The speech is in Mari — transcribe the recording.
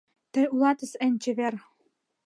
Тый улатыс эн чевер.